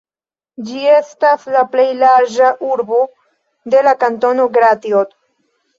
Ĝi estas la plej larĝa urbo de la kantono Gratiot.